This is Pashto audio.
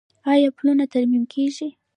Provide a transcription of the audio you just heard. آیا پلونه ترمیم کیږي؟